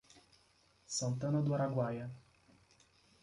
Santana do Araguaia